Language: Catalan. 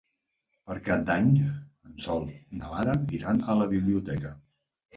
Per Cap d'Any en Sol i na Lara iran a la biblioteca.